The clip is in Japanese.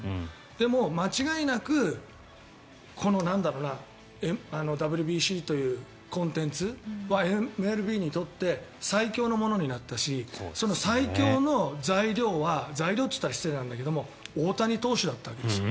でも間違いなくＷＢＣというコンテンツはＭＬＢにとって最強のものになったしその最強の材料は材料といったら失礼なんだけど大谷投手だったわけですよ。